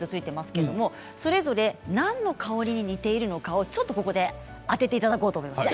それぞれ何の香りに似ているのかちょっと当てていただこうと思います。